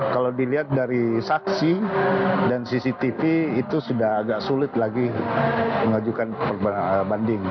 kalau dilihat dari saksi dan cctv itu sudah agak sulit lagi mengajukan banding